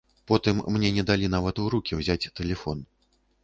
Потым мне не далі нават у рукі ўзяць тэлефон.